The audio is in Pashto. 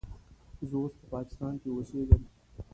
زه اوس په پاکستان کې اوسیږم.